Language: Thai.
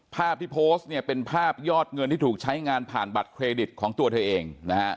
ภาพที่โพสต์เนี่ยเป็นภาพยอดเงินที่ถูกใช้งานผ่านบัตรเครดิตของตัวเธอเองนะฮะ